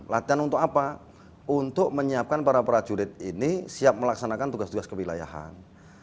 latihan untuk apa untuk menyiapkan para prajurit ini siap melaksanakan tugas tugas kewilayahan